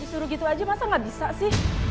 bisa disuruh gitu aja masa gak bisa sih